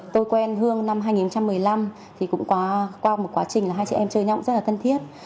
tôi quen hương năm hai nghìn một mươi năm qua một quá trình hai chị em chơi nhau rất là tân thiết